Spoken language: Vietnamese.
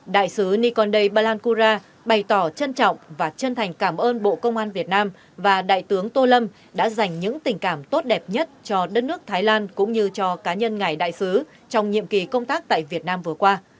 đại sứ nikonde balancura bày tỏ trân trọng và chân thành cảm ơn bộ công an việt nam và đại tướng tô lâm đã dành những tình cảm tốt đẹp nhất cho đất nước thái lan cũng như cho cá nhân ngài đại sứ trong nhiệm kỳ công tác tại việt nam vừa qua